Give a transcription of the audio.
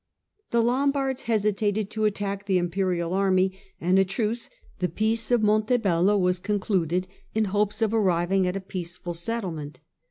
The Lombards hesitated to attack the imperial army, and a truce, the " Peace of Montebello," was concluded in hopes of arriving at a peaceful settlement.